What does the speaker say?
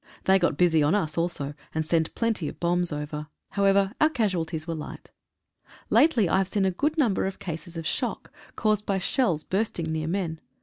They got busy on us also, and sent plenty of bombs over. However, our casualties were light. Lately I have seen a good number of cases of shock, caused by shells burst ing near men.